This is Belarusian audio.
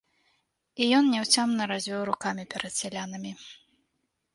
І ён няўцямна развёў рукамі перад сялянамі.